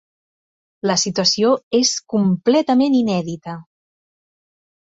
La situació és completament inèdita.